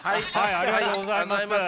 ありがとうございます。